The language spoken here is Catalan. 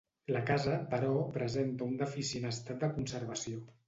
La casa, però presenta un deficient estat de conservació.